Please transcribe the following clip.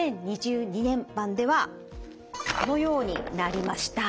年版ではこのようになりました。